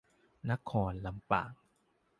นครลำปาง